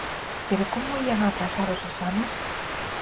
Pero como ían a aprazar os exames?